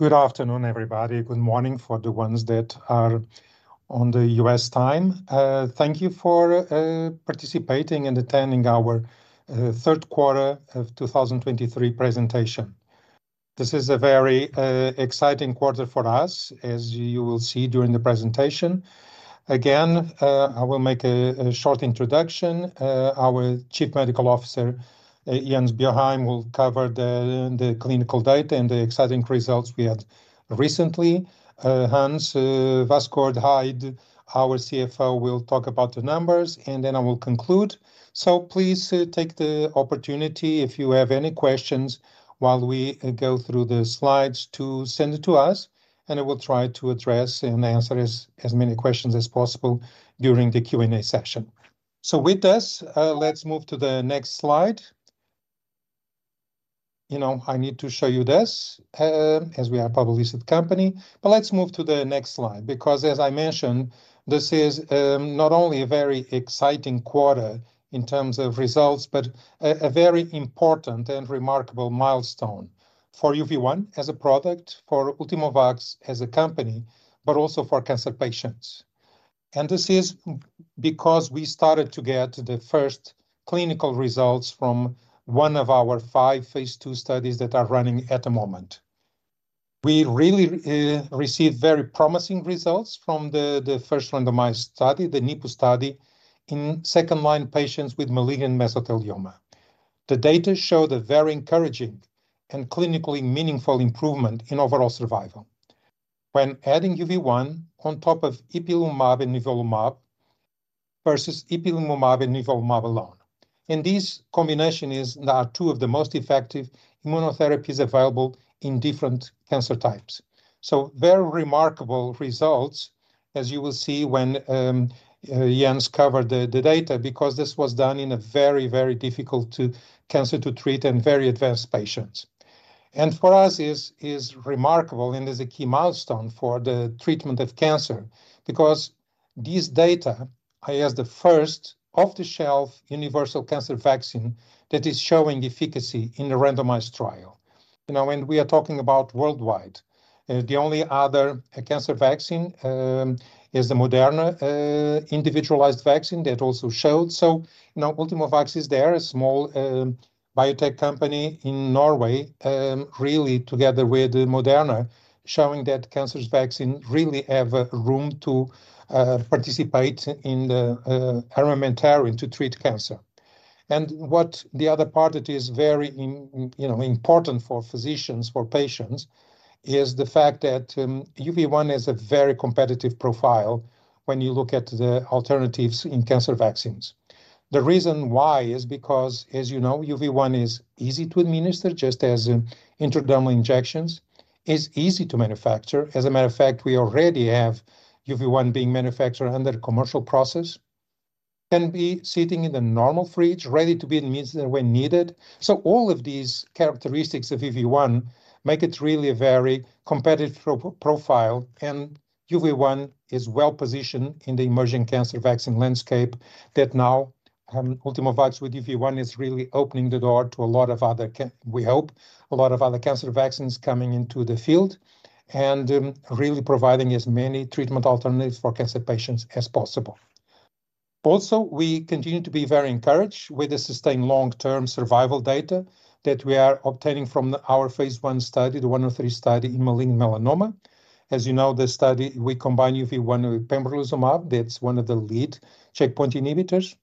Good afternoon, everybody. Good morning for the ones that are on the U.S. time. Thank you for participating and attending our Q3 of 2023 presentation. This is a very exciting quarter for us, as you will see during the presentation. Again, I will make a short introduction. Our Chief Medical Officer, Jens Bjørheim, will cover the clinical data and the exciting results we had recently. Hans Vassgård Eid, our CFO, will talk about the numbers, and then I will conclude. So please take the opportunity, if you have any questions while we go through the slides, to send it to us, and I will try to address and answer as many questions as possible during the Q&A session. So with this, let's move to the next slide. You know, I need to show you this, as we are a public listed company. But let's move to the next slide, because as I mentioned, this is not only a very exciting quarter in terms of results, but a very important and remarkable milestone for UV1 as a product, for Ultimovacs as a company, but also for cancer patients. And this is because we started to get the first clinical results from one of our five phase II studies that are running at the moment. We really received very promising results from the first randomized study, the NIPU study, in second-line patients with malignant mesothelioma. The data showed a very encouraging and clinically meaningful improvement in overall survival when adding UV1 on top of ipilimumab and nivolumab versus ipilimumab and nivolumab alone, and this combination is now two of the most effective immunotherapies available in different cancer types. So very remarkable results, as you will see when Jens cover the data, because this was done in a very, very difficult-to-treat cancer to treat and very advanced patients. And for us, is remarkable and is a key milestone for the treatment of cancer, because this data is the first off-the-shelf universal cancer vaccine that is showing efficacy in a randomized trial. You know, and we are talking about worldwide. The only other cancer vaccine is the Moderna individualized vaccine that also showed. So now, Ultimovacs is there, a small, biotech company in Norway, really together with Moderna, showing that cancer vaccine really have room to participate in the armamentarium to treat cancer. And what the other part that is very you know, important for physicians, for patients, is the fact that, UV1 has a very competitive profile when you look at the alternatives in cancer vaccines. The reason why is because, as you know, UV1 is easy to administer, just as intradermal injections. It's easy to manufacture. As a matter of fact, we already have UV1 being manufactured under commercial process. Can be sitting in the normal fridge, ready to be administered when needed. All of these characteristics of UV1 make it really a very competitive profile, and UV1 is well-positioned in the emerging cancer vaccine landscape that now Ultimovacs with UV1 is really opening the door to a lot of other, we hope, a lot of other cancer vaccines coming into the field and really providing as many treatment alternatives for cancer patients as possible. Also, we continue to be very encouraged with the sustained long-term survival data that we are obtaining from our phase I study, the 103 study in malignant melanoma. As you know, this study, we combine UV1 with pembrolizumab. That's one of the lead checkpoint inhibitors.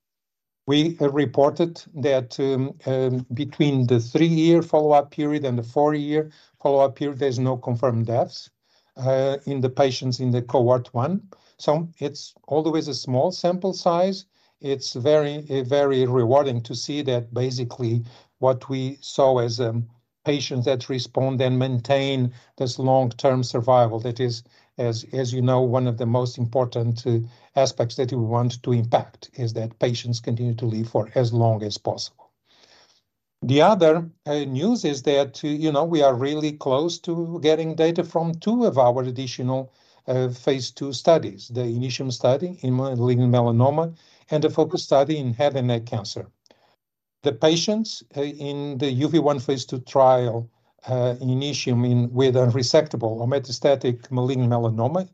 We have reported that between the three-year follow-up period and the four-year follow-up period, there's no confirmed deaths in the patients in the cohort one. So it's although it's a small sample size, it's very, very rewarding to see that basically what we saw as patients that respond and maintain this long-term survival. That is, as you know, one of the most important aspects that we want to impact, is that patients continue to live for as long as possible. The other news is that, you know, we are really close to getting data from two of our additional phase II studies: the INITIUM study in malignant melanoma and a FOCUS study in head and neck cancer. The patients in the UV1 phase II trial, INITIUM in, with unresectable or metastatic malignant melanoma,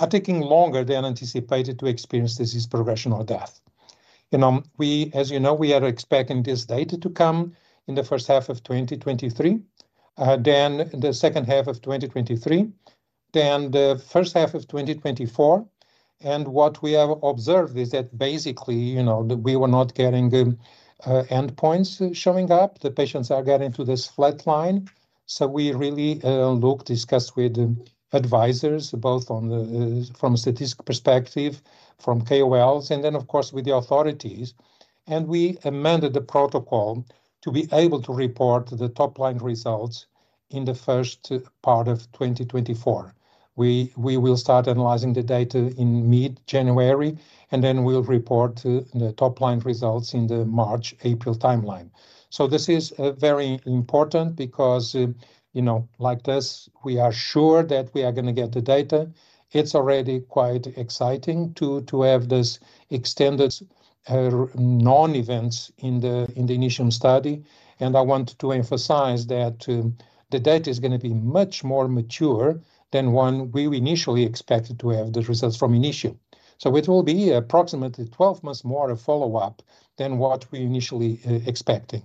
are taking longer than anticipated to experience disease progression or death. You know, we, as you know, we are expecting this data to come in the first half of 2023, then the second half of 2023, then the first half of 2024. And what we have observed is that basically, you know, that we were not getting endpoints showing up. The patients are getting to this flat line. So we really looked, discussed with the advisors, both on the from a statistic perspective, from KOLs and then, of course, with the authorities, and we amended the protocol to be able to report the top-line results in the first part of 2024. We will start analyzing the data in mid-January, and then we'll report the top-line results in the March/April timeline. So this is very important because you know, like this, we are sure that we are gonna get the data. It's already quite exciting to have this extended non-events in the INITIUM study. And I want to emphasize that the data is gonna be much more mature than when we initially expected to have the results from INITIUM. So it will be approximately 12 months more of follow-up than what we initially expecting.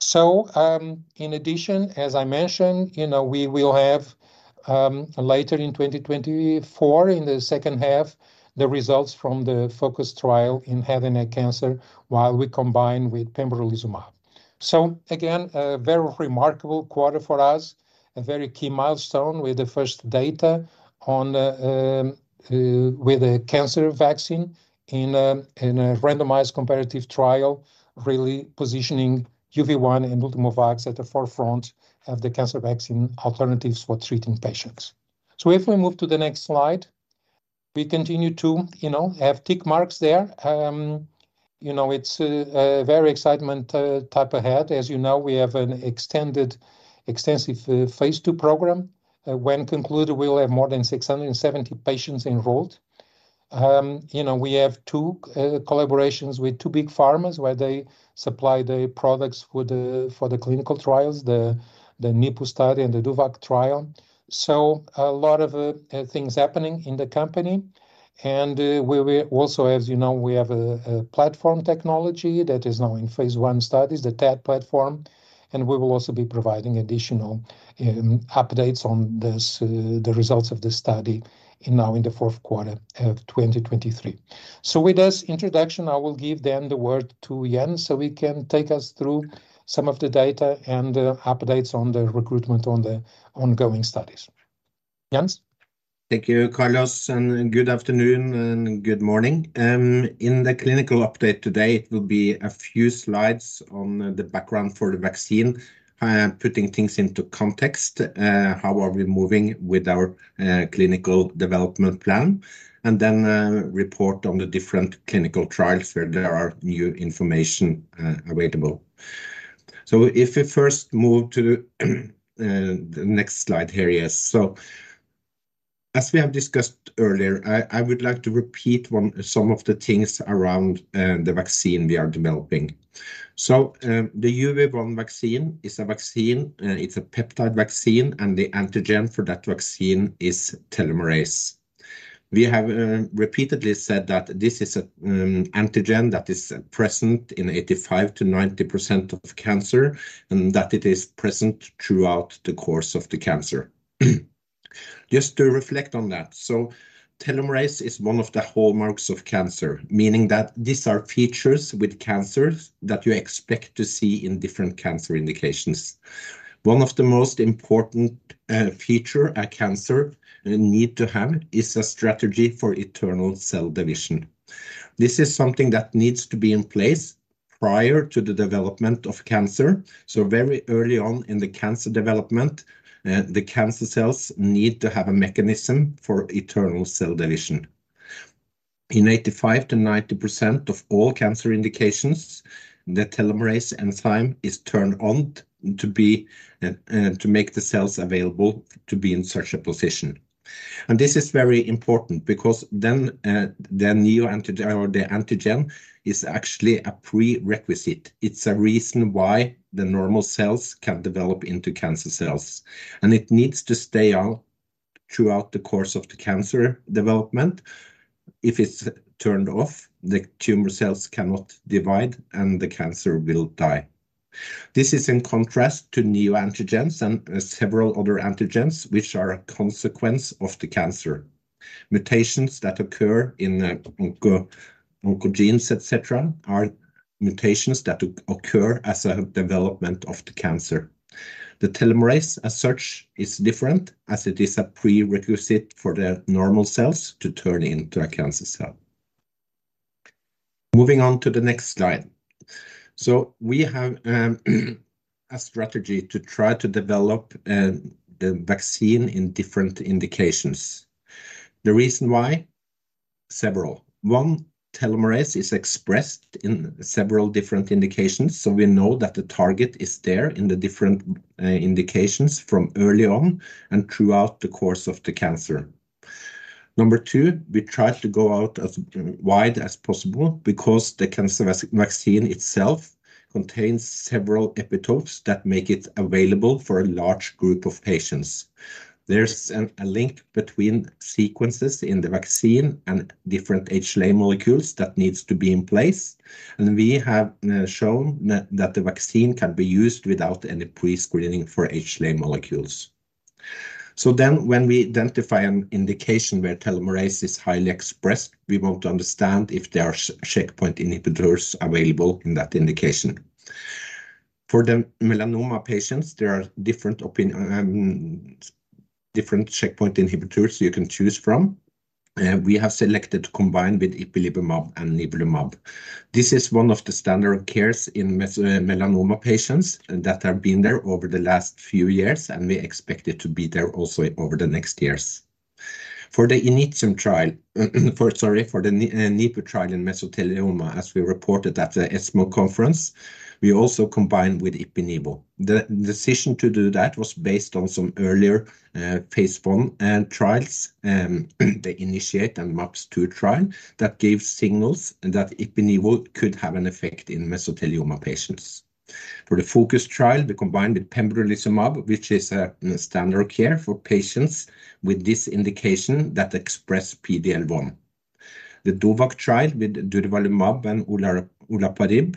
So, in addition, as I mentioned, you know, we will have later in 2024, in the second half, the results from the FOCUS trial in head and neck cancer, while we combine with pembrolizumab. So again, a very remarkable quarter for us, a very key milestone with the first data on, with a cancer vaccine in a, in a randomized comparative trial, really positioning UV1 and Ultimovacs at the forefront of the cancer vaccine alternatives for treating patients. So if we move to the next slide, we continue to, you know, have tick marks there. You know, it's a, a very excitement, time ahead. As you know, we have an extended extensive, phase II program. When concluded, we will have more than 670 patients enrolled. You know, we have two, collaborations with two big pharmas, where they supply the products for the, for the clinical trials, the, the NIPU study and the DOVACC trial. So a lot of things happening in the company, and we will also, as you know, we have a platform technology that is now in phase I studies, the TET platform, and we will also be providing additional updates on this, the results of this study now in the Q4 of 2023. So with this introduction, I will give then the word to Jens, so he can take us through some of the data and updates on the recruitment on the ongoing studies. Jens? Thank you, Carlos, and good afternoon and good morning. In the clinical update today, it will be a few slides on the background for the vaccine. I am putting things into context, how are we moving with our clinical development plan, and then report on the different clinical trials where there are new information available. So if we first move to the next slide here, yes. So as we have discussed earlier, I would like to repeat some of the things around the vaccine we are developing. So, the UV1 vaccine is a vaccine, it's a peptide vaccine, and the antigen for that vaccine is telomerase. We have repeatedly said that this is a antigen that is present in 85%-90% of cancer, and that it is present throughout the course of the cancer. Just to reflect on that, so telomerase is one of the hallmarks of cancer, meaning that these are features with cancers that you expect to see in different cancer indications. One of the most important feature a cancer need to have is a strategy for eternal cell division. This is something that needs to be in place prior to the development of cancer. So very early on in the cancer development, the cancer cells need to have a mechanism for eternal cell division. In 85%-90% of all cancer indications, the telomerase enzyme is turned on to be, to make the cells available to be in such a position. And this is very important because then, the neoantigen or the antigen is actually a prerequisite. It's a reason why the normal cells can develop into cancer cells, and it needs to stay on throughout the course of the cancer development. If it's turned off, the tumor cells cannot divide, and the cancer will die. This is in contrast to neoantigens and several other antigens, which are a consequence of the cancer. Mutations that occur in oncogenes, et cetera, are mutations that occur as a development of the cancer. The telomerase, as such, is different, as it is a prerequisite for the normal cells to turn into a cancer cell. Moving on to the next slide. So we have a strategy to try to develop the vaccine in different indications. The reason why? Several. One, telomerase is expressed in several different indications, so we know that the target is there in the different indications from early on and throughout the course of the cancer. Two, we try to go out as wide as possible because the cancer vaccine itself contains several epitopes that make it available for a large group of patients. There's a link between sequences in the vaccine and different HLA molecules that needs to be in place, and we have shown that the vaccine can be used without any pre-screening for HLA molecules. So then, when we identify an indication where telomerase is highly expressed, we want to understand if there are checkpoint inhibitors available in that indication. For the melanoma patients, there are different checkpoint inhibitors you can choose from, we have selected combined with ipilimumab and nivolumab. This is one of the standard of care in melanoma patients that have been there over the last few years, and we expect it to be there also over the next years. For the Initium trial, for, sorry, for the NIPU trial in mesothelioma, as we reported at the ESMO conference, we also combined with Ipi/Nivo. The decision to do that was based on some earlier phase I trials, the INITIATE and MAPS-2 trial, that gave signals that Ipi/Nivo could have an effect in mesothelioma patients. For the FOCUS trial, we combined with pembrolizumab, which is a standard of care for patients with this indication that express PD-L1. The DOVACC trial with durvalumab and olaparib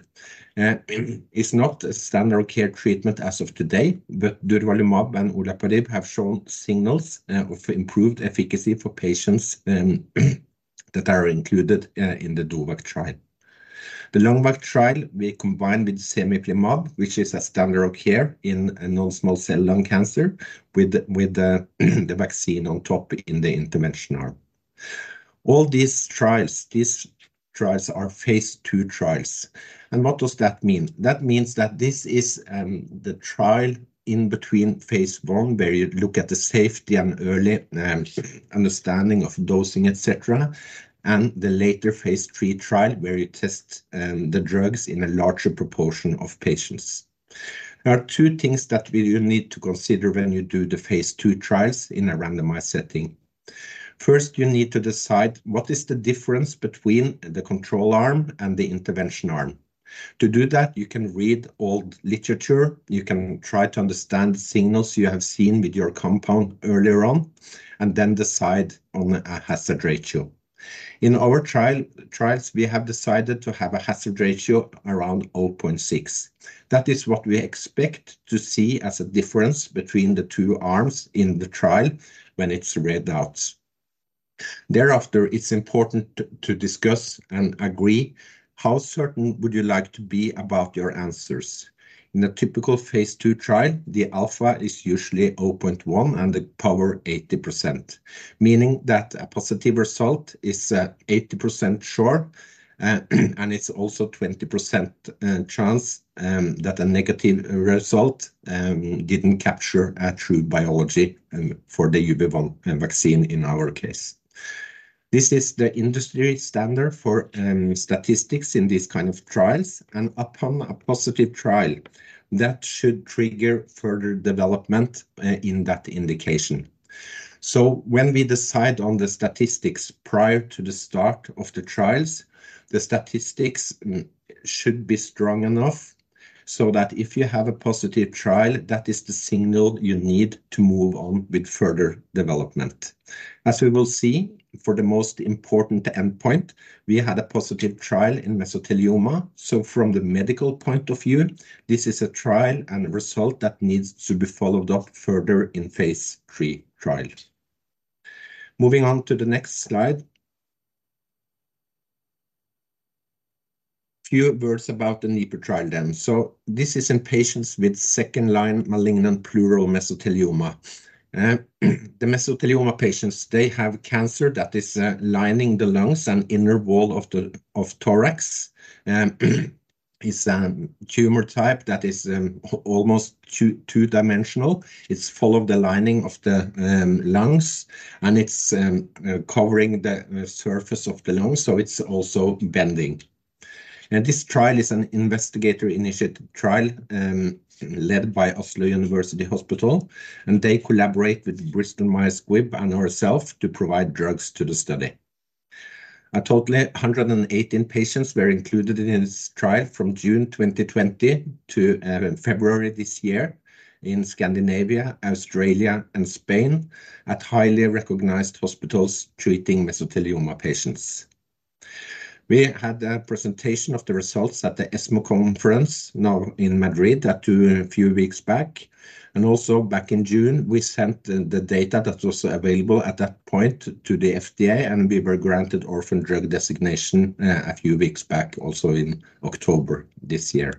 is not a standard of care treatment as of today, but durvalumab and olaparib have shown signals of improved efficacy for patients that are included in the DOVACC trial. The LUNGVAC trial, we combined with cemiplimab, which is a standard of care in non-small cell lung cancer, with the vaccine on top in the interventional arm. All these trials, these trials are phase II trials. What does that mean? That means that this is the trial in between phase I, where you look at the safety and early understanding of dosing, et cetera, and the later phase III trial, where you test the drugs in a larger proportion of patients. There are two things that we will need to consider when you do the phase II trials in a randomized setting. First, you need to decide what is the difference between the control arm and the intervention arm. To do that, you can read all literature, you can try to understand the signals you have seen with your compound earlier on, and then decide on a hazard ratio. In our trial, trials, we have decided to have a hazard ratio around 0.6. That is what we expect to see as a difference between the two arms in the trial when it's read out. Thereafter, it's important to discuss and agree, how certain would you like to be about your answers? In a typical phase II trial, the alpha is usually 0.1, and the power 80%, meaning that a positive result is 80% sure, and it's also 20% chance that a negative result didn't capture a true biology for the UV1 vaccine in our case. This is the industry standard for statistics in these kind of trials, and upon a positive trial, that should trigger further development in that indication. So when we decide on the statistics prior to the start of the trials, the statistics should be strong enough, so that if you have a positive trial, that is the signal you need to move on with further development. As we will see, for the most important endpoint, we had a positive trial in mesothelioma. So from the medical point of view, this is a trial and result that needs to be followed up further in phase III trials. Moving on to the next slide. Few words about the NIPU trial then. So this is in patients with second-line malignant pleural mesothelioma. The mesothelioma patients, they have cancer that is lining the lungs and inner wall of the thorax. It's a tumor type that is almost two-dimensional. It's follow the lining of the lungs, and it's covering the surface of the lungs, so it's also bending. And this trial is an investigator-initiated trial, led by Oslo University Hospital, and they collaborate with Bristol Myers Squibb and ourselves to provide drugs to the study. A total of 118 patients were included in this trial from June 2020 to February this year in Scandinavia, Australia, and Spain, at highly recognized hospitals treating mesothelioma patients. We had a presentation of the results at the ESMO Conference, now in Madrid, a few weeks back. Also back in June, we sent the data that was available at that point to the FDA, and we were granted orphan drug designation a few weeks back, also in October this year.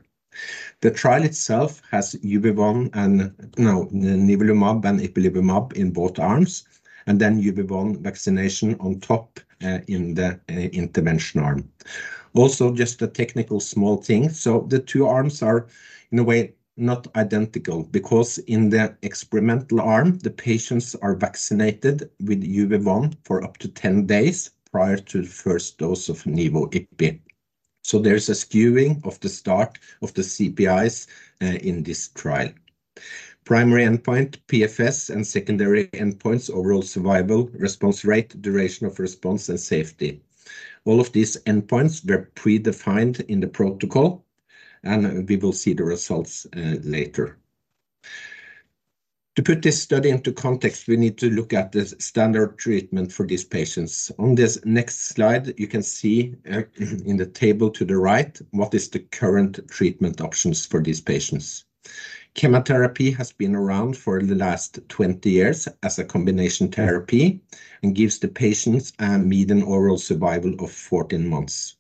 The trial itself has UV1 and-No, nivolumab and ipilimumab in both arms, and then UV1 vaccination on top in the intervention arm. Also, just a technical small thing: so the two arms are, in a way, not identical, because in the experimental arm, the patients are vaccinated with UV1 for up to 10 days prior to the first dose of nivo/ipi. So there is a skewing of the start of the CPIs in this trial. Primary endpoint, PFS and secondary endpoints, overall survival, response rate, duration of response, and safety. All of these endpoints were predefined in the protocol, and we will see the results later. To put this study into context, we need to look at the standard treatment for these patients. On this next slide, you can see in the table to the right, what is the current treatment options for these patients. Chemotherapy has been around for the last 20 years as a combination therapy and gives the patients a median overall survival of 14 months.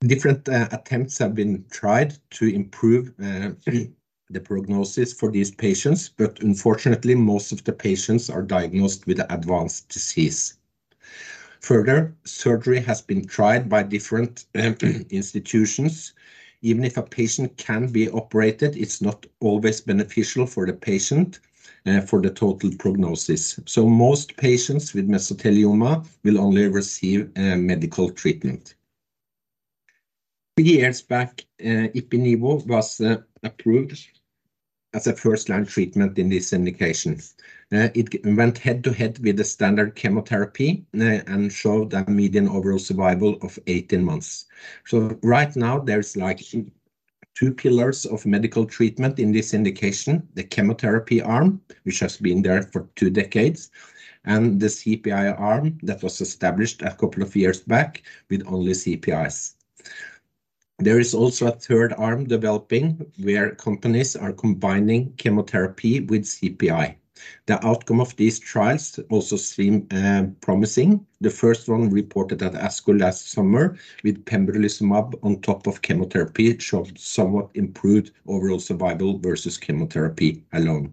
Different attempts have been tried to improve the prognosis for these patients, but unfortunately, most of the patients are diagnosed with advanced disease. Further, surgery has been tried by different institutions. Even if a patient can be operated, it's not always beneficial for the patient for the total prognosis. So most patients with mesothelioma will only receive medical treatment. Three years back, Ipi/Nivo was approved as a first-line treatment in these indications. It went head-to-head with the standard chemotherapy and showed a median overall survival of 18 months. So right now, there's like two pillars of medical treatment in this indication: the chemotherapy arm, which has been there for two decades, and the CPI arm that was established a couple of years back with only CPIs. There is also a third arm developing, where companies are combining chemotherapy with CPI. The outcome of these trials also seem promising. The first one reported at ASCO last summer, with pembrolizumab on top of chemotherapy, showed somewhat improved overall survival versus chemotherapy alone.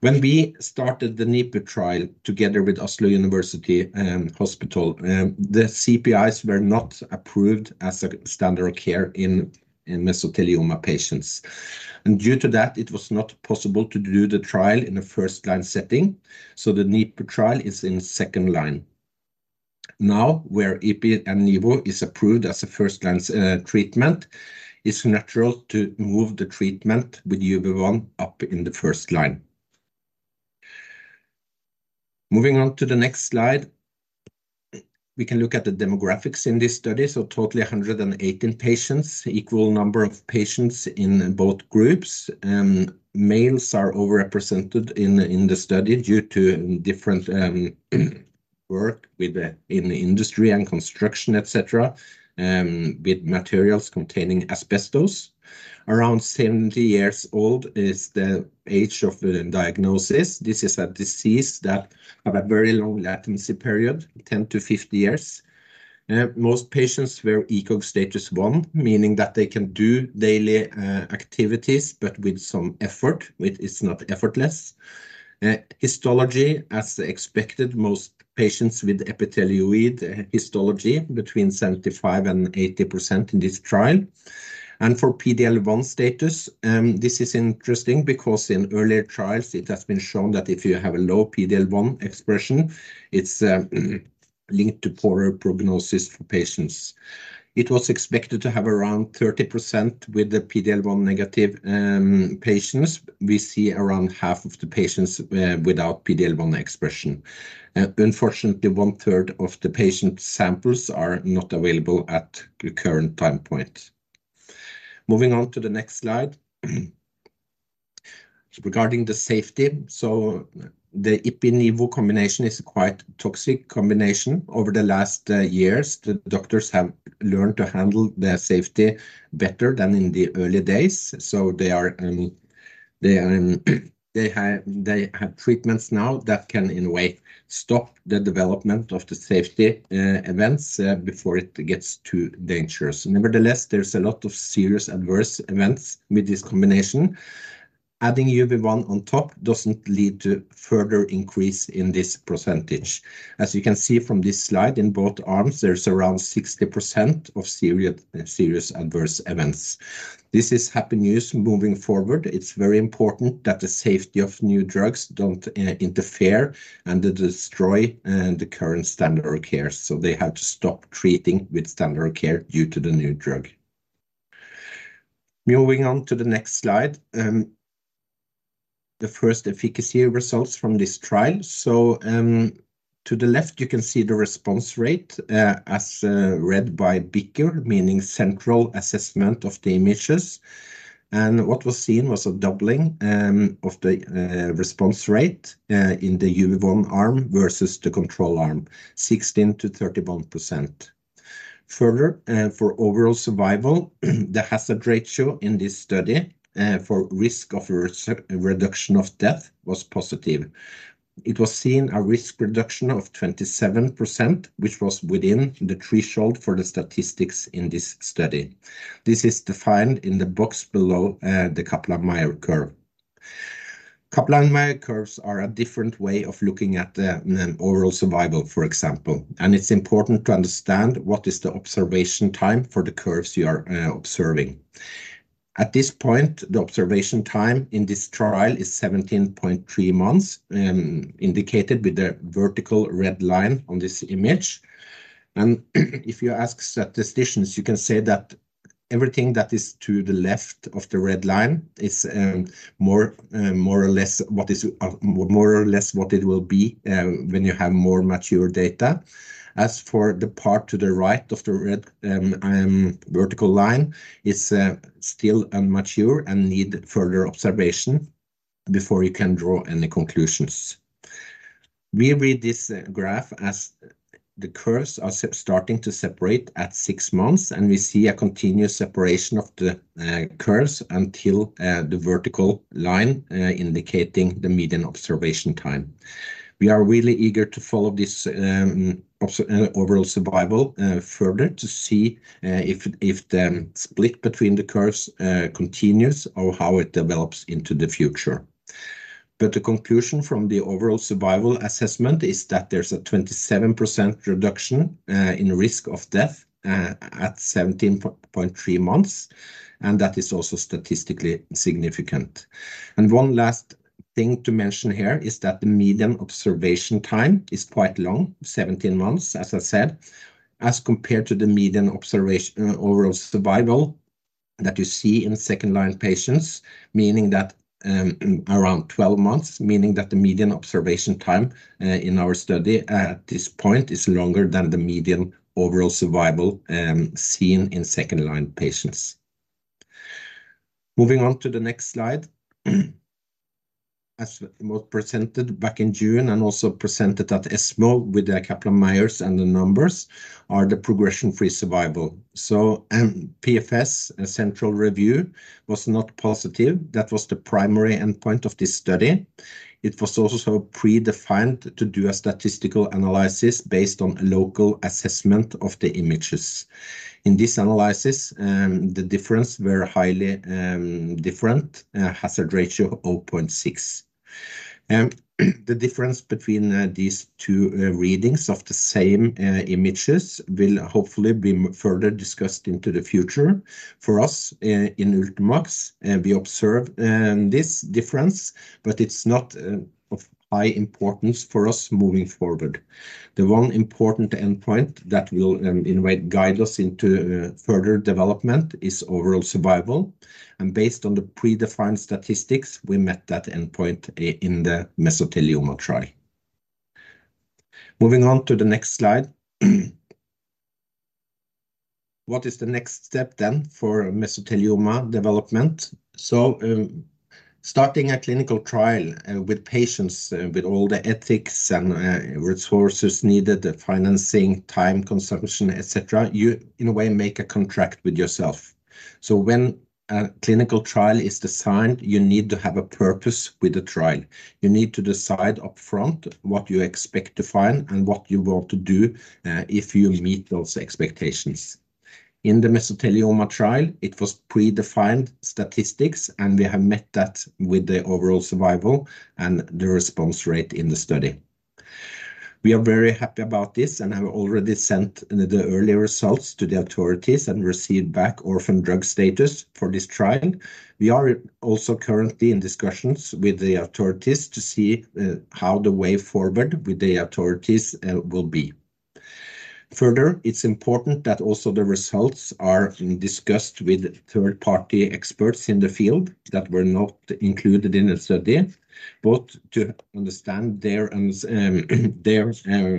When we started the NIPU trial together with Oslo University Hospital, the CPIs were not approved as a standard of care in mesothelioma patients, and due to that, it was not possible to do the trial in a first-line setting, so the NIPU trial is in second line. Now, where Ipi and Nivo is approved as a first-line treatment, it's natural to move the treatment with UV1 up in the first line. Moving on to the next slide, we can look at the demographics in this study. So totally 118 patients, equal number of patients in both groups. Males are over-represented in the study due to different work in industry and construction, et cetera, with materials containing asbestos. Around 70 years old is the age of the diagnosis. This is a disease that have a very long latency period, 10-50 years. Most patients were ECOG status 1, meaning that they can do daily activities, but with some effort, it is not effortless. Histology, as expected, most patients with epithelioid histology between 75%-80% in this trial. For PD-L1 status, this is interesting because in earlier trials, it has been shown that if you have a low PD-L1 expression, it's linked to poorer prognosis for patients. It was expected to have around 30% with the PD-L1 negative patients. We see around half of the patients without PD-L1 expression. Unfortunately, one-third of the patient samples are not available at the current time point. Moving on to the next slide. So regarding the safety, so the Ipi Nivo combination is quite toxic combination. Over the last years, the doctors have learned to handle their safety better than in the early days. So they have treatments now that can, in a way, stop the development of the safety events before it gets too dangerous. Nevertheless, there's a lot of serious adverse events with this combination. Adding UV1 on top doesn't lead to further increase in this percentage. As you can see from this slide, in both arms, there's around 60% of serious adverse events. This is happy news moving forward. It's very important that the safety of new drugs don't interfere and destroy the current standard of care, so they have to stop treating with standard care due to the new drug. Moving on to the next slide. The first efficacy results from this trial. So, to the left, you can see the response rate as read by BICR, meaning central assessment of the images. And what was seen was a doubling of the response rate in the UV1 arm versus the control arm, 16%-31%. Further, for overall survival, the hazard ratio in this study for risk reduction of death was positive. It was seen a risk reduction of 27%, which was within the threshold for the statistics in this study. This is defined in the box below the Kaplan-Meier curve. Kaplan-Meier curves are a different way of looking at the overall survival, for example, and it's important to understand what is the observation time for the curves you are observing. At this point, the observation time in this trial is 17.3 months, indicated with the vertical red line on this image. And if you ask statisticians, you can say that everything that is to the left of the red line is more or less what is more or less what it will be when you have more mature data. As for the part to the right of the red vertical line is still immature and need further observation before you can draw any conclusions. We read this graph as the curves are starting to separate at six months, and we see a continuous separation of the curves until the vertical line indicating the median observation time. We are really eager to follow this overall survival further to see if the split between the curves continues or how it develops into the future. But the conclusion from the overall survival assessment is that there's a 27% reduction in risk of death at 17.3 months, and that is also statistically significant. And one last thing to mention here is that the median observation time is quite long, 17 months, as I said, as compared to the median observation overall survival that you see in second-line patients. Meaning that, around 12 months, meaning that the median observation time in our study at this point is longer than the median overall survival seen in second-line patients. Moving on to the next slide. As was presented back in June and also presented at ESMO with the Kaplan-Meier and the numbers are the progression-free survival. So, PFS, central review was not positive. That was the primary endpoint of this study. It was also predefined to do a statistical analysis based on local assessment of the images. In this analysis, the difference were highly different, hazard ratio of 0.6. The difference between these two readings of the same images will hopefully be further discussed into the future. For us, in Ultimovacs, we observed this difference, but it's not of high importance for us moving forward. The one important endpoint that will, in a way, guide us into further development is overall survival, and based on the predefined statistics, we met that endpoint in the mesothelioma trial. Moving on to the next slide. What is the next step then for mesothelioma development? So, starting a clinical trial with patients, with all the ethics and resources needed, the financing, time consumption, et cetera, you, in a way, make a contract with yourself. So when a clinical trial is designed, you need to have a purpose with the trial. You need to decide upfront what you expect to find and what you want to do if you meet those expectations. In the mesothelioma trial, it was predefined statistics, and we have met that with the overall survival and the response rate in the study. We are very happy about this and have already sent the early results to the authorities and received back orphan drug status for this trial. We are also currently in discussions with the authorities to see how the way forward with the authorities will be. Further, it's important that also the results are discussed with third-party experts in the field that were not included in the study, but to understand their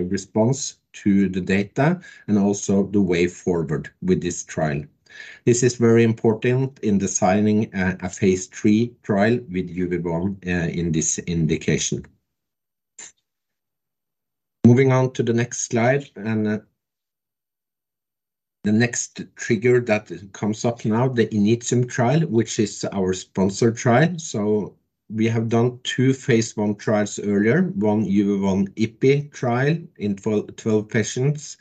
response to the data and also the way forward with this trial. This is very important in designing a phase III trial with UV1 in this indication. Moving on to the next slide, and, the next trigger that comes up now, the INITIUM trial, which is our sponsor trial. So we have done two phase I trials earlier, one UV1 IPI trial in 12 patients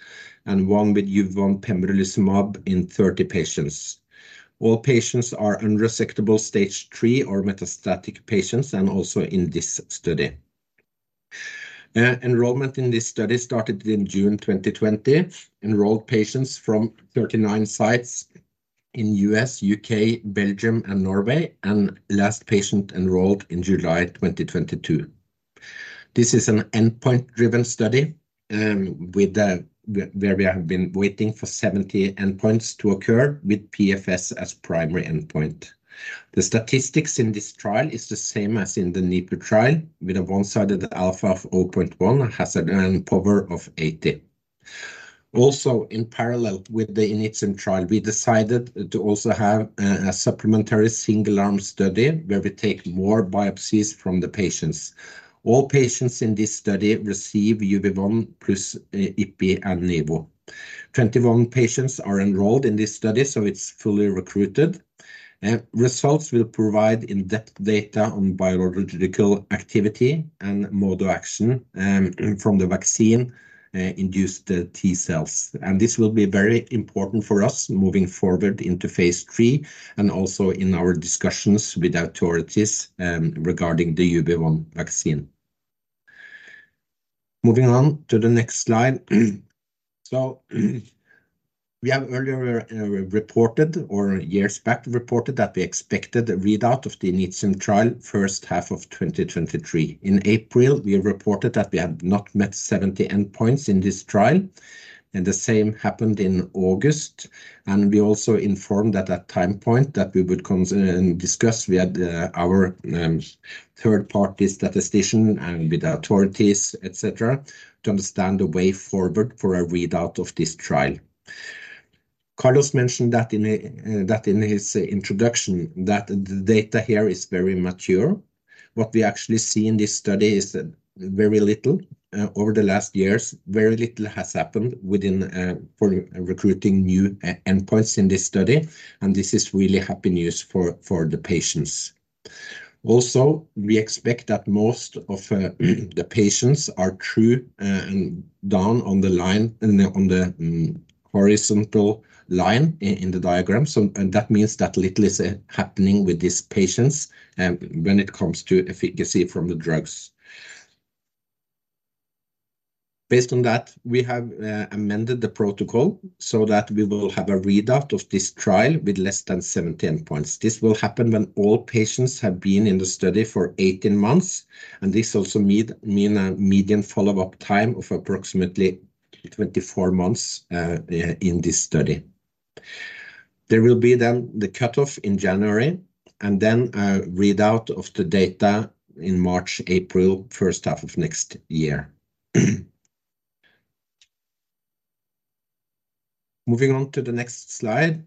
and one with UV1 pembrolizumab in 30 patients. All patients are unresectable Stage III or metastatic patients, and also in this study. Enrollment in this study started in June 2020, enrolled patients from 39 sites in U.S., U.K., Belgium and Norway, and last patient enrolled in July 2022. This is an endpoint-driven study, with where we have been waiting for 70 endpoints to occur, with PFS as primary endpoint. The statistics in this trial is the same as in the NIPU trial, with a one-sided alpha of 0.1, hazard and power of 80. Also, in parallel with the INITIUM trial, we decided to also have a supplementary single-arm study, where we take more biopsies from the patients. All patients in this study receive UV1 plus IPI and Nivo. 21 patients are enrolled in this study, so it's fully recruited. Results will provide in-depth data on biological activity and mode of action from the vaccine induced T-cells. This will be very important for us moving forward into phase III and also in our discussions with the authorities regarding the UV1 vaccine. Moving on to the next slide. So we have earlier reported, or years back, reported that we expected a readout of the INITIUM trial first half of 2023. In April, we reported that we had not met the primary endpoint in this trial, and the same happened in August. We also informed at that time point that we would discuss with our third-party statistician and with the authorities, etc., to understand the way forward for a readout of this trial. Carlos mentioned that in that in his introduction, that the data here is very mature. What we actually see in this study is very little. Over the last years, very little has happened within for recruiting new events in this study, and this is really happy news for the patients. Also, we expect that most of the patients are true and down on the line on the horizontal line in the diagram. So. And that means that little is happening with these patients when it comes to efficacy from the drugs. Based on that, we have amended the protocol so that we will have a readout of this trial with less than 17 points. This will happen when all patients have been in the study for 18 months, and this also means median follow-up time of approximately 24 months in this study. There will be then the cutoff in January, and then a readout of the data in March, April, first half of next year. Moving on to the next slide.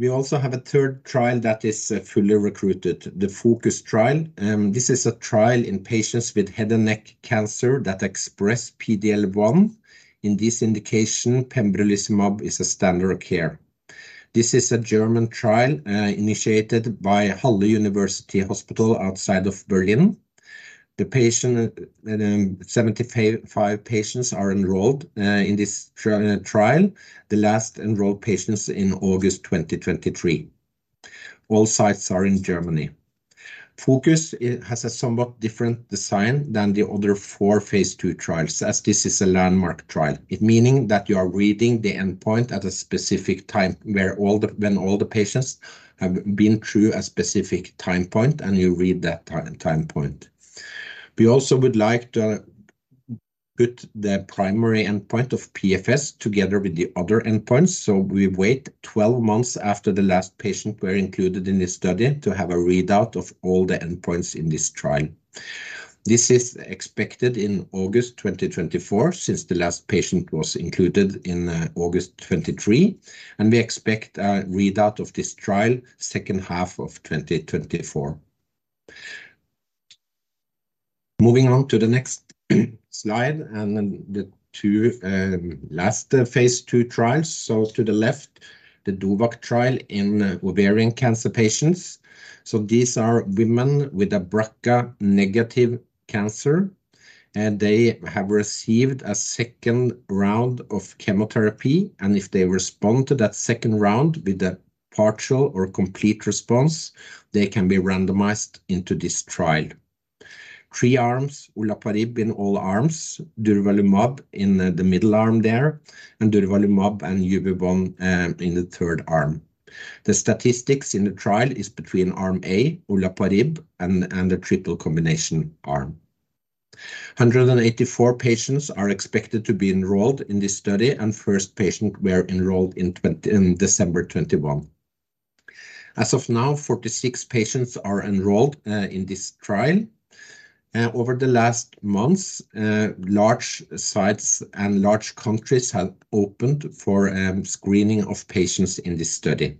We also have a third trial that is fully recruited, the FOCUS trial. This is a trial in patients with head and neck cancer that express PD-L1. In this indication, pembrolizumab is a standard of care. This is a German trial initiated by Halle University Hospital outside of Berlin. Seventy-five patients are enrolled in this trial. The last enrolled patients in August 2023. All sites are in Germany. FOCUS, it has a somewhat different design than the other four phase II trials, as this is a landmark trial. It meaning that you are reading the endpoint at a specific time where all the-when all the patients have been through a specific time point, and you read that time point. We also would like to put the primary endpoint of PFS together with the other endpoints, so we wait 12 months after the last patient were included in this study to have a readout of all the endpoints in this trial. This is expected in August 2024, since the last patient was included in August 2023, and we expect a readout of this trial second half of 2024. Moving on to the next slide, and then the two last phase II trials. So to the left, the DOVACC trial in ovarian cancer patients. So these are women with a BRCA-negative cancer, and they have received a second round of chemotherapy, and if they respond to that second round with a partial or complete response, they can be randomized into this trial. Three arms, olaparib in all arms, durvalumab in the middle arm there, and durvalumab and UV1 in the third arm. The statistics in the trial is between arm A, olaparib, and the triple combination arm. 184 patients are expected to be enrolled in this study, and first patient were enrolled in December 2021. As of now, 46 patients are enrolled in this trial. Over the last months, large sites and large countries have opened for screening of patients in this study.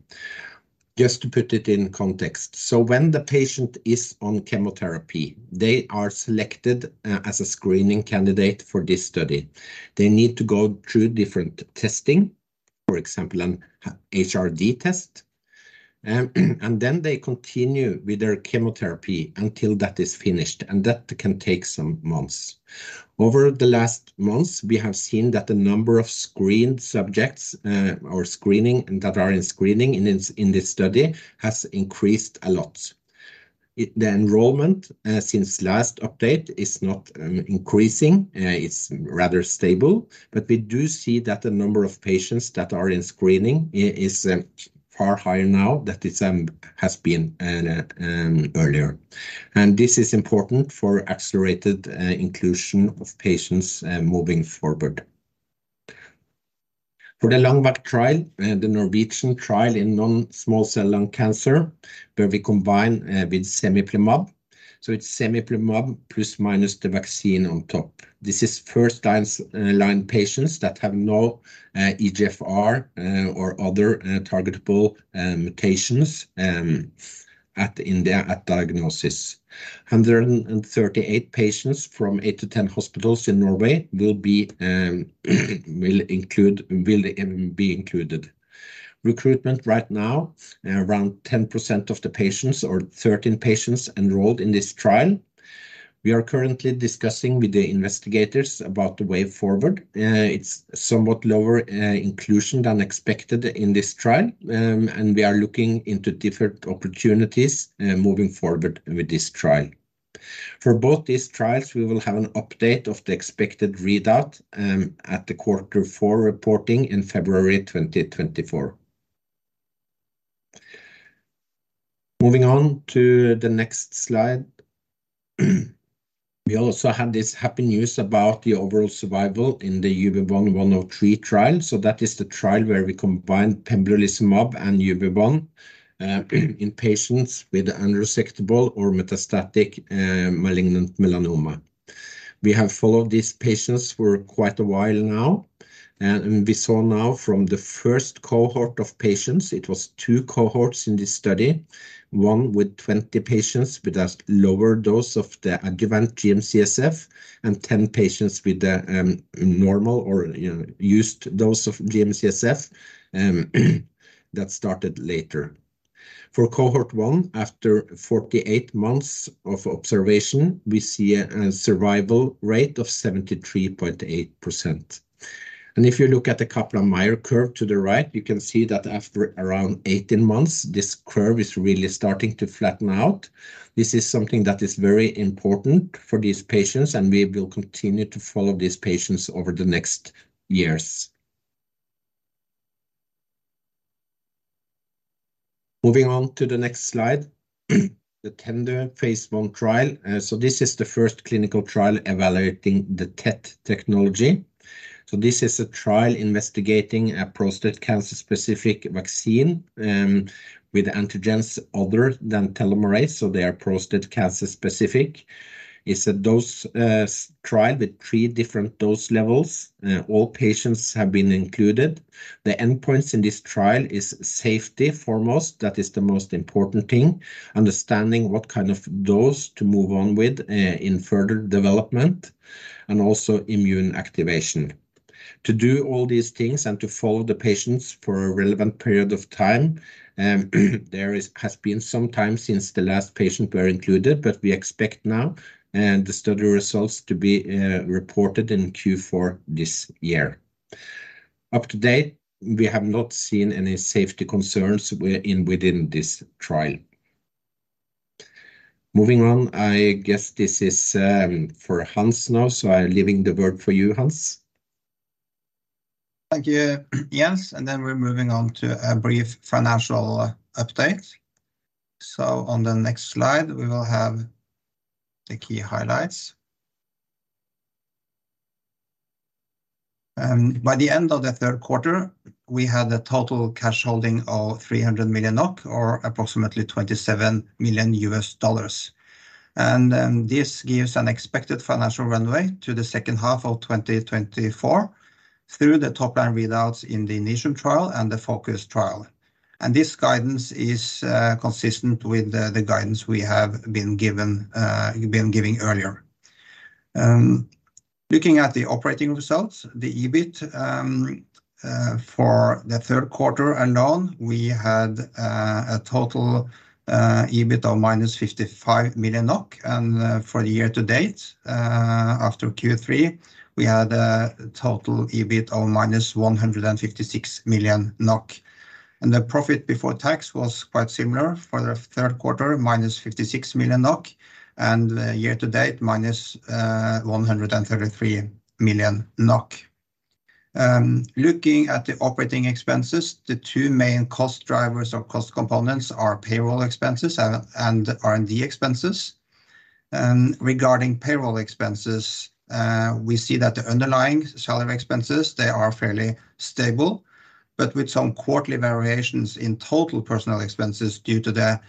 Just to put it in context, so when the patient is on chemotherapy, they are selected as a screening candidate for this study. They need to go through different testing, for example, an HRD test, and then they continue with their chemotherapy until that is finished, and that can take some months. Over the last months, we have seen that the number of screened subjects or screening that are in screening in this study has increased a lot. The enrollment since last update is not increasing, it's rather stable, but we do see that the number of patients that are in screening is far higher now than it has been earlier. This is important for accelerated inclusion of patients moving forward. For the LUNGVAC trial, the Norwegian trial in non-small cell lung cancer, where we combine with cemiplimab. So it's cemiplimab plus minus the vaccine on top. This is first line patients that have no EGFR or other targetable mutations at diagnosis. 138 patients from 8-10 hospitals in Norway will be included. Recruitment right now, around 10% of the patients, or 13 patients, enrolled in this trial. We are currently discussing with the investigators about the way forward. It's somewhat lower inclusion than expected in this trial, and we are looking into different opportunities moving forward with this trial. For both these trials, we will have an update of the expected readout at the quarter four reporting in February 2024. Moving on to the next slide. We also have this happy news about the overall survival in the UV1-103 study, so that is the trial where we combined pembrolizumab and UV1 in patients with unresectable or metastatic malignant melanoma. We have followed these patients for quite a while now, and we saw now from the first cohort of patients, it was two cohorts in this study, one with 20 patients with a lower dose of the adjuvant GM-CSF, and 10 patients with the normal or, you know, used dose of GM-CSF that started later. For cohort one, after 48 months of observation, we see a survival rate of 73.8%.If you look at the Kaplan-Meier curve to the right, you can see that after around 18 months, this curve is really starting to flatten out. This is something that is very important for these patients, and we will continue to follow these patients over the next years. Moving on to the next slide, the TENDU phase I trial. So this is the first clinical trial evaluating the TET technology. So this is a trial investigating a prostate cancer-specific vaccine, with antigens other than telomerase, so they are prostate cancer specific. It's a dose trial with three different dose levels. All patients have been included. The endpoints in this trial is safety foremost. That is the most important thing, understanding what kind of dose to move on with, in further development and also immune activation. To do all these things and to follow the patients for a relevant period of time, there has been some time since the last patient were included, but we expect now, the study results to be reported in Q4 this year. To date, we have not seen any safety concerns within this trial. Moving on, I guess this is for Hans now, so I'm leaving the word for you, Hans. Thank you, Jens. And then we're moving on to a brief financial update. So on the next slide, we will have the key highlights. By the end of the Q3, we had a total cash holding of 300 million NOK or approximately $27 million. And this gives an expected financial runway to the second half of 2024 through the top-line readouts in the INITIUM trial and the FOCUS trial. And this guidance is consistent with the guidance we have been given, been giving earlier. Looking at the operating results, the EBIT for the Q3 and on, we had a total EBIT of -55 million NOK. For the year to date, after Q3, we had a total EBIT of -156 million NOK, and the profit before tax was quite similar for the Q3, -56 million NOK, and year to date, -133 million NOK. Looking at the OpEx, the two main cost drivers or cost components are payroll expenses and R&D expenses. And regarding payroll expenses, we see that the underlying salary expenses, they are fairly stable, but with some quarterly variations in total personnel expenses due to the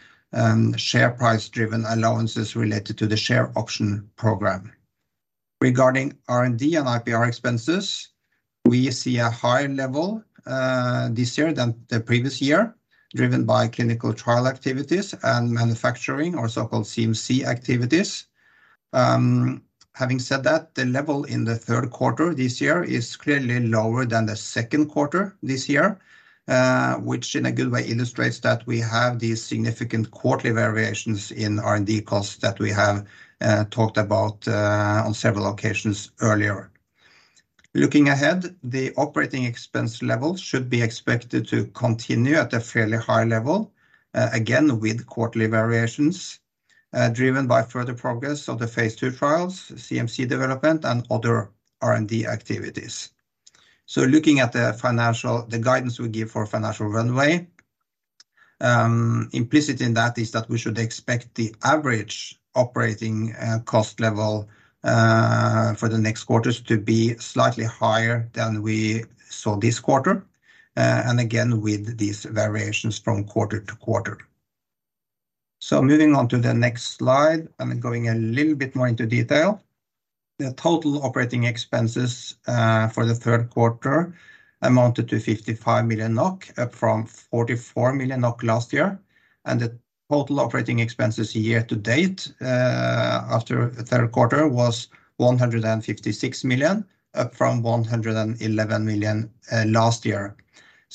share price-driven allowances related to the share option program. Regarding R&D and IPR expenses, we see a higher level this year than the previous year, driven by clinical trial activities and manufacturing or so-called CMC activities. Having said that, the level in the Q3 this year is clearly lower than the Q2 this year, which in a good way illustrates that we have these significant quarterly variations in R&D costs that we have talked about on several occasions earlier. Looking ahead, the operating expense levels should be expected to continue at a fairly high level, again, with quarterly variations, driven by further progress of the phase II trials, CMC development and other R&D activities. So looking at the financial guidance we give for financial runway, implicit in that is that we should expect the average operating cost level for the next quarters to be slightly higher than we saw this quarter, and again, with these variations from quarter to quarter. Moving on to the next slide and going a little bit more into detail. The total OpEx for the Q3 amounted to 55 million NOK, up from 44 million NOK last year, and the total OpEx year to date after the Q3 was 156 million, up from 111 million last year.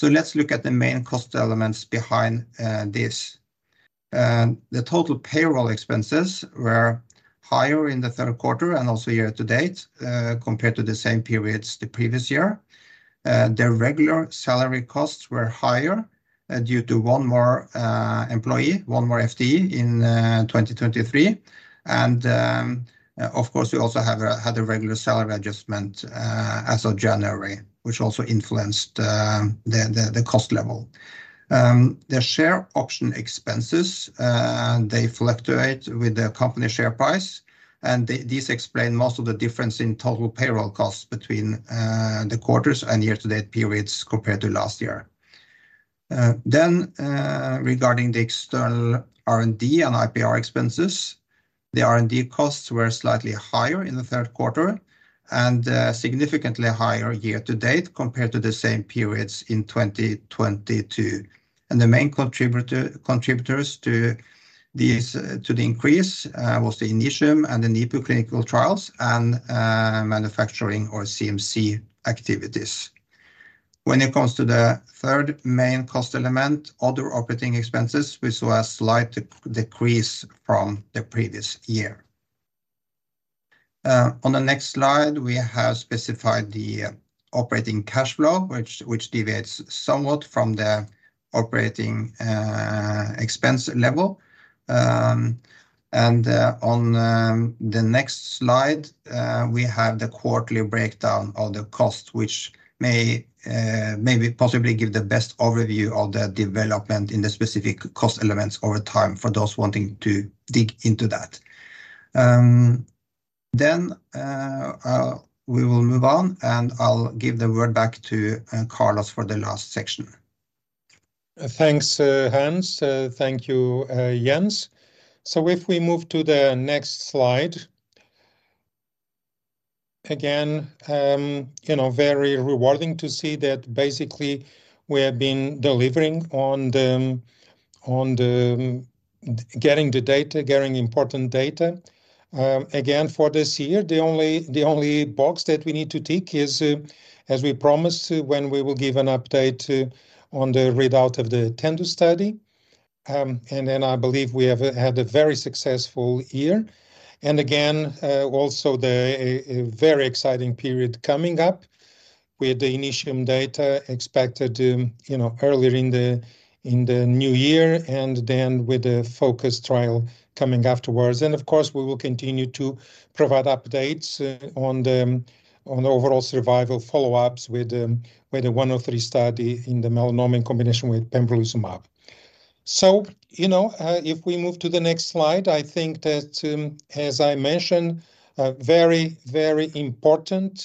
Let's look at the main cost elements behind this. The total payroll expenses were higher in the Q3 and also year to date compared to the same periods the previous year. Their regular salary costs were higher due to one more employee, one more FTE in 2023. And, of course, we also have a, had a regular salary adjustment as of January, which also influenced the cost level. The share option expenses, they fluctuate with the company share price, and these explain most of the difference in total payroll costs between the quarters and year-to-date periods compared to last year. Then, regarding the external R&D and IPR expenses, the R&D costs were slightly higher in the Q3 and significantly higher year to date compared to the same periods in 2022. The main contributors to this, to the increase, was the INITIUM and the NIPU clinical trials and manufacturing or CMC activities. When it comes to the third main cost element, other OpEx, we saw a slight decrease from the previous year. On the next slide, we have specified the operating cash flow, which deviates somewhat from the operating expense level. And on the next slide, we have the quarterly breakdown of the cost, which may maybe possibly give the best overview of the development in the specific cost elements over time for those wanting to dig into that. Then we will move on, and I'll give the word back to Carlos for the last section. Thanks, Hans. Thank you, Jens. So if we move to the next slide, again, you know, very rewarding to see that basically we have been delivering on the, on the, getting the data, getting important data. Again, for this year, the only, the only box that we need to tick is, as we promised, when we will give an update on the readout of the TENDU study. And then I believe we have had a very successful year, and again, also the, a, a very exciting period coming up with the INITIUM data expected to, you know, earlier in the, in the new year, and then with the FOCUS trial coming afterwards. And of course, we will continue to provide updates on the overall survival follow-ups with the 103 study in the melanoma in combination with pembrolizumab. So, you know, if we move to the next slide, I think that, as I mentioned, a very, very important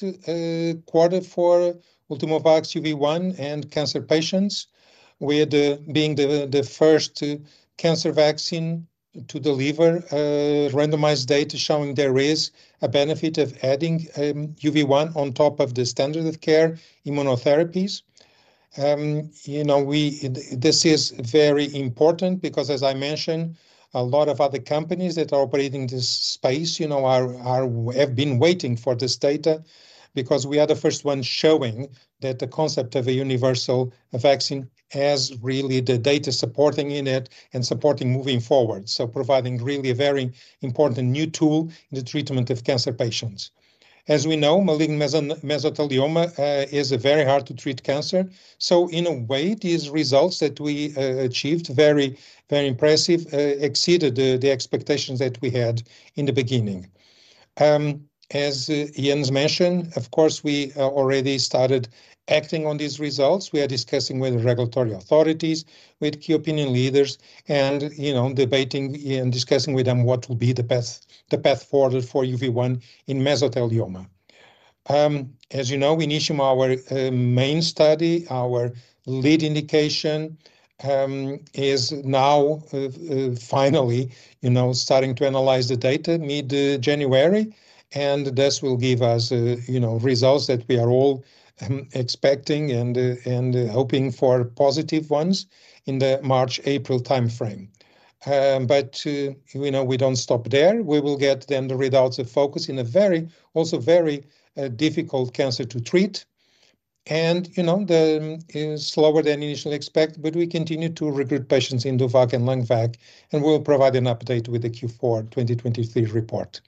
quarter for Ultimovacs UV1 and cancer patients. We are being the first cancer vaccine to deliver randomized data showing there is a benefit of adding UV1 on top of the standard of care immunotherapies. You know, this is very important because, as I mentioned, a lot of other companies that are operating this space, you know, are have been waiting for this data, because we are the first ones showing that the concept of a universal vaccine has really the data supporting in it and supporting moving forward. So providing really a very important new tool in the treatment of cancer patients. As we know, malignant mesothelioma is a very hard-to-treat cancer, so in a way, these results that we achieved, very, very impressive, exceeded the expectations that we had in the beginning. As Jens mentioned, of course, we already started acting on these results. We are discussing with the regulatory authorities, with key opinion leaders, and, you know, debating and discussing with them what will be the path, the path forward for UV1 in mesothelioma. As you know, INITIUM, our main study, our lead indication, is now finally, you know, starting to analyze the data mid-January, and this will give us, you know, results that we are all expecting and hoping for positive ones in the March, April timeframe. But, you know, we don't stop there. We will get then the results of FOCUS in a very, also very, difficult cancer to treat. And, you know, the slower than initially expected, but we continue to recruit patients in DOVACC and LUNGVAC, and we will provide an update with the Q4 2023 report.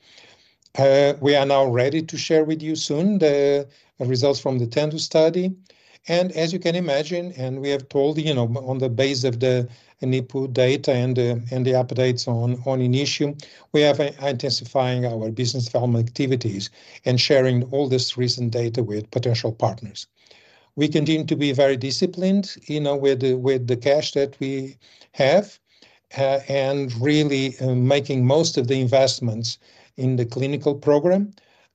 We are now ready to share with you soon the results from the TENDU study. And as you can imagine, and we have told you, you know, on the basis of the NIPU data and the updates on INITIUM, we are intensifying our business development activities and sharing all this recent data with potential partners. We continue to be very disciplined, you know, with the cash that we have, and really, making most of the investments in the clinical program.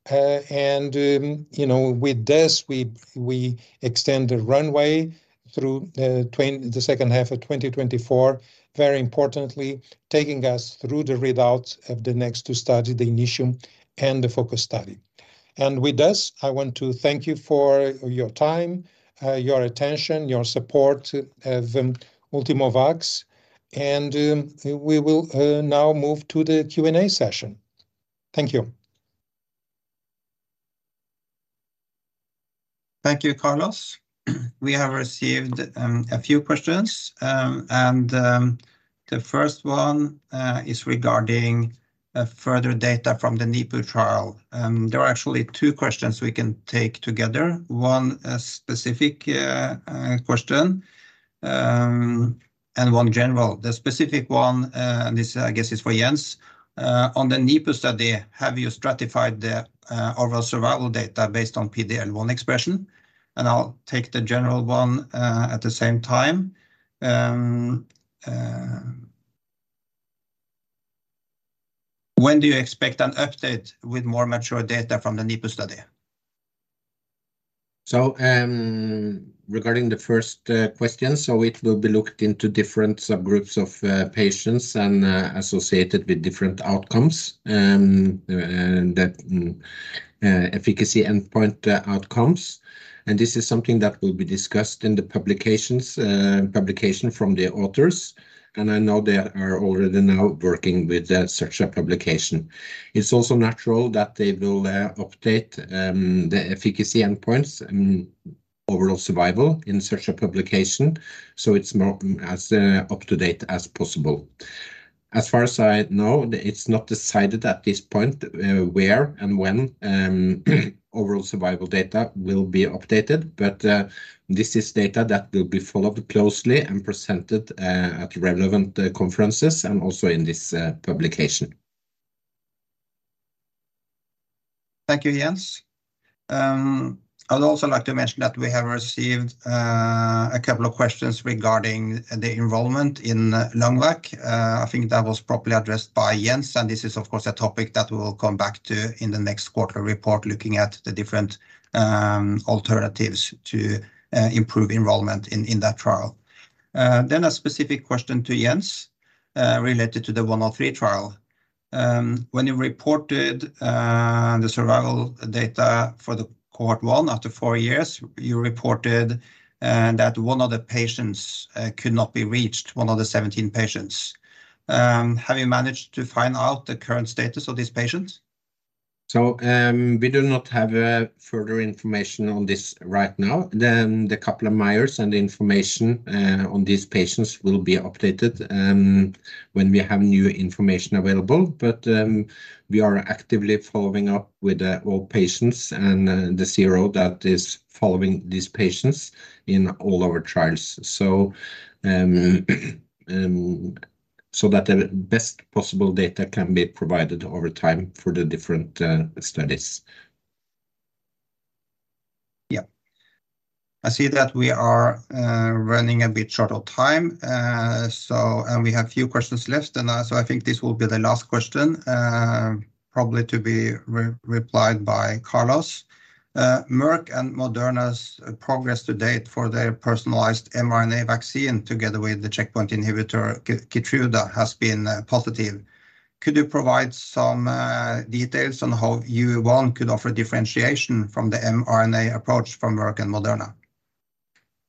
And, you know, with this, we extend the runway through the second half of 2024. Very importantly, taking us through the readouts of the next two studies, the INITIUM and the FOCUS study. And with this, I want to thank you for your time, your attention, your support of Ultimovacs, and we will now move to the Q&A session. Thank you. Thank you, Carlos. We have received a few questions, and the first one is regarding further data from the NIPU trial. There are actually two questions we can take together. One, a specific question, and one general. The specific one, and this, I guess, is for Jens: On the NIPU study, have you stratified the overall survival data based on PD-L1 expression? And I'll take the general one at the same time. When do you expect an update with more mature data from the NIPU study? So, regarding the first question, so it will be looked into different subgroups of patients and associated with different outcomes, and that efficacy endpoint outcomes. This is something that will be discussed in the publications, publication from the authors, and I know they are already now working with such a publication. It's also natural that they will update the efficacy endpoints, overall survival in such a publication, so it's as up to date as possible. As far as I know, it's not decided at this point where and when overall survival data will be updated. But this is data that will be followed closely and presented at relevant conferences and also in this publication. Thank you, Jens. I'd also like to mention that we have received a couple of questions regarding the involvement in LUNGVAC. I think that was properly addressed by Jens, and this is, of course, a topic that we will come back to in the next quarter report, looking at the different alternatives to improve involvement in that trial. A specific question to Jens, related to the 103 trial. When you reported the survival data for the cohort one after four years, you reported that one of the patients could not be reached, one of the 17 patients. Have you managed to find out the current status of this patient? So, we do not have further information on this right now. Then the Kaplan-Meier and the information on these patients will be updated when we have new information available. But, we are actively following up with all patients and the CRO that is following these patients in all our trials. So, so that the best possible data can be provided over time for the different studies. Yeah. I see that we are running a bit short on time, so- And we have few questions left, and so I think this will be the last question, probably to be replied by Carlos. "Merck and Moderna's progress to date for their personalized mRNA vaccine, together with the checkpoint inhibitor Keytruda, has been positive. Could you provide some details on how UV1 could offer differentiation from the mRNA approach from Merck and Moderna?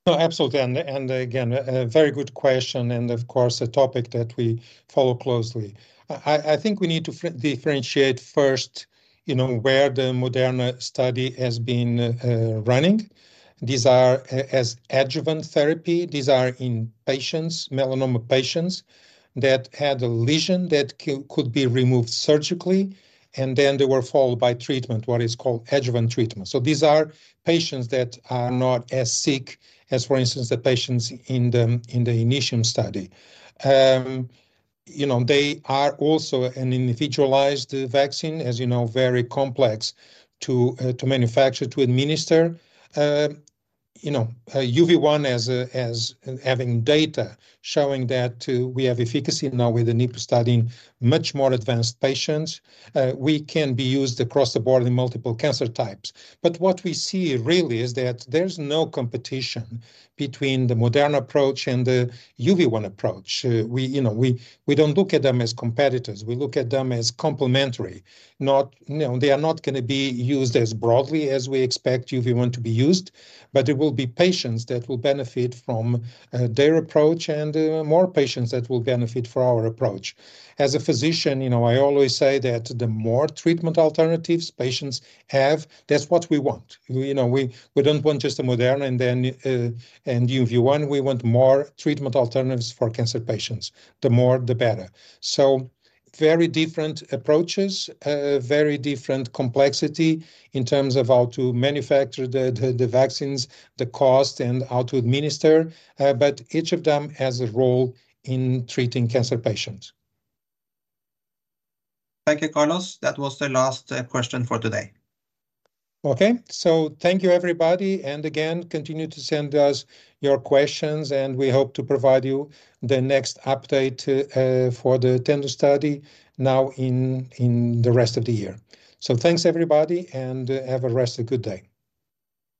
Oh, absolutely, and again, a very good question, and of course, a topic that we follow closely. I think we need to differentiate first, you know, where the Moderna study has been running. These are as adjuvant therapy. These are in patients, melanoma patients, that had a lesion that could be removed surgically, and then they were followed by treatment, what is called adjuvant treatment. So these are patients that are not as sick as, for instance, the patients in the INITIUM study. You know, they are also an individualized vaccine, as you know, very complex to manufacture, to administer. You know, UV1 as having data showing that we have efficacy now with the NIPU study in much more advanced patients, we can be used across the board in multiple cancer types. But what we see really is that there's no competition between the Moderna approach and the UV1 approach. We, you know, don't look at them as competitors. We look at them as complementary, not... You know, they are not gonna be used as broadly as we expect UV1 to be used, but there will be patients that will benefit from their approach and more patients that will benefit from our approach. As a physician, you know, I always say that the more treatment alternatives patients have, that's what we want. You know, we don't want just the Moderna and then and UV1. We want more treatment alternatives for cancer patients. The more, the better. Very different approaches, very different complexity in terms of how to manufacture the vaccines, the cost, and how to administer, but each of them has a role in treating cancer patients. Thank you, Carlos. That was the last question for today. Okay. So thank you, everybody, and again, continue to send us your questions, and we hope to provide you the next update for the TENDU study now in the rest of the year. So thanks, everybody, and have a rest a good day.